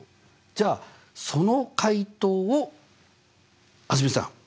じゃあその解答を蒼澄さん。